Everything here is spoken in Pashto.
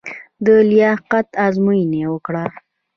د لیاقت ازموینه یې ورکړه.